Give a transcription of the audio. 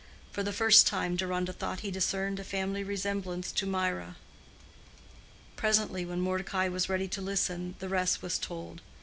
For the first time Deronda thought he discerned a family resemblance to Mirah. Presently when Mordecai was ready to listen, the rest was told.